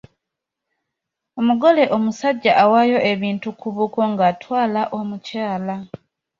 Omugole omusajja awaayo ebintu ku buko ng'atwala omukyala.